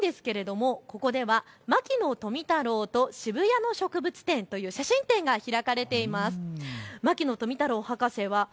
こちら２階なんですけれどここでは牧野富太郎と渋谷の植物展という写真展が開かれています。